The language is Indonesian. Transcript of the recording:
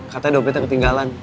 katanya dopetnya ketinggalan